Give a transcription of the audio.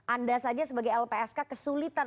anda saja sebagai lpsk kesulitan